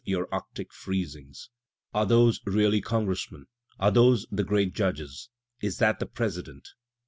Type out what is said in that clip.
your arctic freezings!) Are those really congressmen? are those the great judges? is that the President?